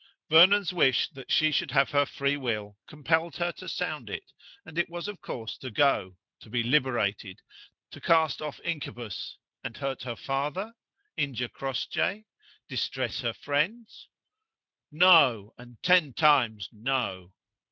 Vernon's wish that she should have her free will compelled her to sound it: and it was of course to go, to be liberated, to cast off incubus and hurt her father? injure Crossjay? distress her friends? No, and ten times no!